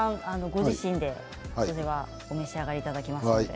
ご自身で、これはお召し上がりいただきますので。